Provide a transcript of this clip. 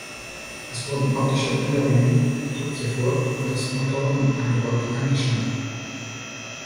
Es wurden optische Änderungen durchgeführt und das Motorenangebot eingeschränkt.